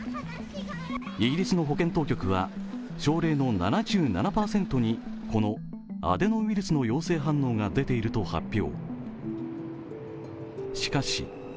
イギリスの保健当局は、症例の７７％にこのアデノウイルスの陽性反応が出ていると発表。